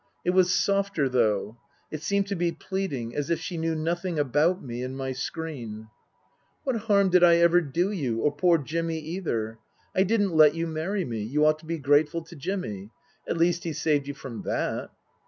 It was softer, though. It seemed to be pleading, as if she knew nothing about me and my screen. " What harm did I ever do you ? Or poor Jimmy either ? I didn't let you marry me. You ought to be grateful to Jimmy. At least he saved you from that."